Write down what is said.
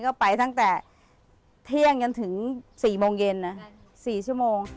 ก็ไปตั้งแต่เที่ยงจนถึง๔โมงเย็นนะ๔ชั่วโมง